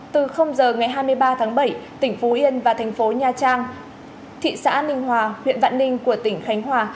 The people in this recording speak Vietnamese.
từ giờ ngày hai mươi ba tháng bảy tỉnh phú yên và thành phố nha trang thị xã ninh hòa huyện vạn ninh của tỉnh khánh hòa